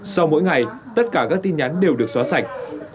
sau mỗi ngày tất cả các tin nhắn đều được xóa sạch